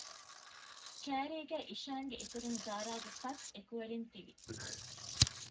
ކައިރީގައި އިޝާންގެ އިތުރުން ޒާރާގެ ފަސް އެކުވެރިން ތިވި